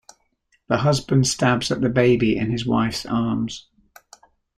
The Husband stabs at the baby in his wife's arms.